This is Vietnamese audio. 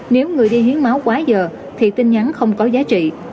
nếu người đi hiến máu quá giờ thì tin nhắn không có giá trị